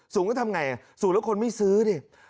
สูงก็ทำไงสูงแล้วคนไม่ซื้อดิ